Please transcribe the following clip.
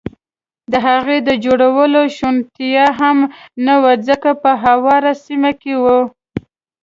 د هغه د جوړولو شونتیا هم نه وه، ځکه په هواره سیمه کې و.